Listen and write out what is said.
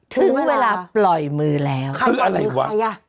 ถึงเวลาปล่อยมือแล้วคืออะไรวะ